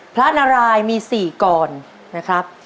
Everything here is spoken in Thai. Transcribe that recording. พระนารายมี๔กรนะครับ